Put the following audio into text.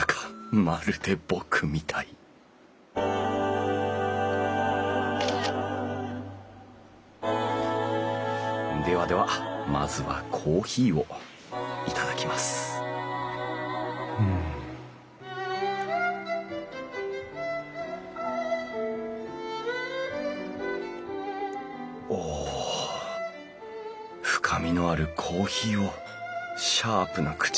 まるで僕みたいではではまずはコーヒーを頂きますうん。おお。深味のあるコーヒーをシャープな口当たりの磁器で頂く。